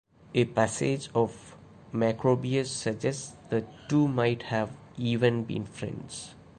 A passage of Macrobius suggests the two might have even been friends.